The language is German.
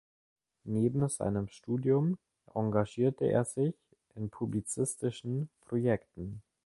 Neben seinem Studium engagierte er sich in publizistischen Projekten.